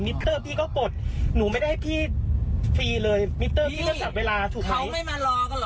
พี่จะโมโหหนูอะไรอย่างนั้นนะ